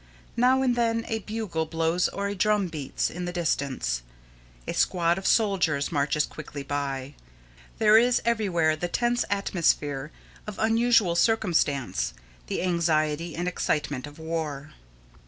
Now and then a bugle blows or a drum beats in the distance. A squad of soldiers marches quickly by. There is everywhere the tense atmosphere of unusual circumstance, the anxiety and excitement of war.